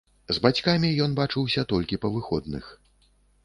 З бацькамі ён бачыўся толькі па выходных.